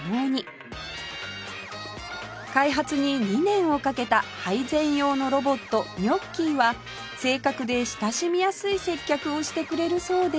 開発に２年をかけた配膳用のロボットニョッキーは正確で親しみやすい接客をしてくれるそうです